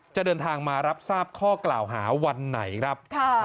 จะเดินทางมารับทราบข้อกล่าวหาวันไหนครับ